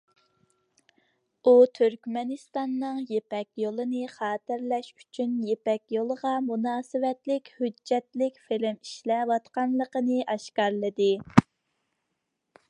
ئۇ تۈركمەنىستاننىڭ يىپەك يولىنى خاتىرىلەش ئۈچۈن يىپەك يولىغا مۇناسىۋەتلىك ھۆججەتلىك فىلىم ئىشلەۋاتقانلىقىنى ئاشكارىلىدى.